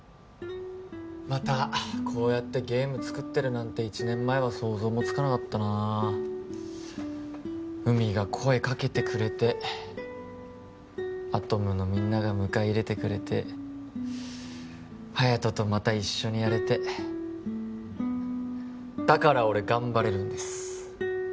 またこうやってゲーム作ってるなんて一年前は想像もつかなかったな海が声かけてくれてアトムのみんなが迎え入れてくれて隼人とまた一緒にやれてだから俺頑張れるんです